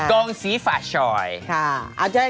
องสีฝาชอย